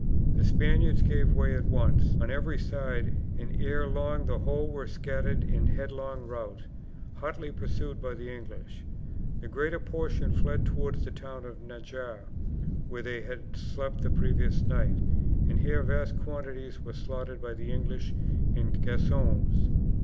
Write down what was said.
The Spaniards gave way at once on every side, and ere long the whole were scattered in headlong rout, hotly pursued by the English. The greater portion fled towards the town of Najarra, where they had slept the previous night, and here vast quantities were slaughtered by the English and Gascons.